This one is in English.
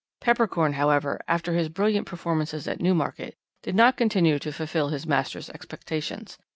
"Peppercorn, however, after his brilliant performances at Newmarket did not continue to fulfil his master's expectations.